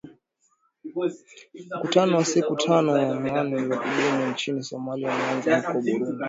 mkutano wa siku tano wakutaka amani ya kudumu nchini somalia umeanza huko burudi